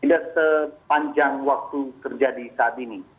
tidak sepanjang waktu terjadi saat ini